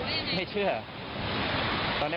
ตอนนั้นเราแบบเชื่อมั้ยถูกได้ยังไง